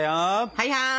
はいはい。